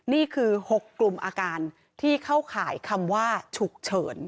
นี่คือ๖กลุ่มอาการที่เข้าข่ายคำว่าฉุกเฉิน